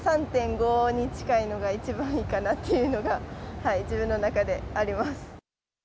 ３．５に近いのが一番いいかなっていうのが、自分の中であります。